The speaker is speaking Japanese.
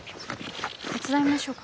手伝いましょうか？